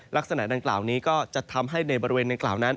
ลักษณะดังกล่าวนี้ก็จะทำให้ในบริเวณดังกล่าวนั้น